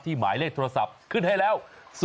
ที่หมายเลขโทรศัพท์ขึ้นให้แล้ว๐๘๗๑๙๗๔๙๘๗